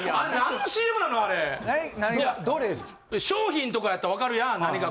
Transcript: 商品とかやったらわかるやん。